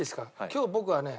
今日僕はね